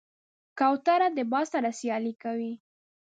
کوتره د باد سره سیالي کوي.